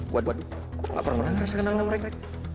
waduh kok gak pernah ngerasa kenal mereka